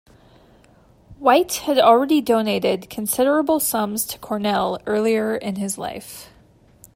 White had already donated considerable sums to Cornell earlier in his life.